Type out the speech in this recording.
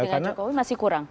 karena cokowi masih kurang